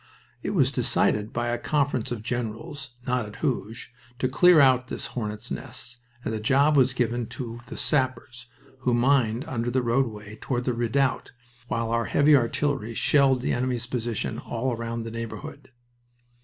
It was decided by a conference of generals, not at Hooge, to clear out this hornets' nest, and the job was given to the sappers, who mined under the roadway toward the redoubt, while our heavy artillery shelled the enemy's position all around the neighborhood.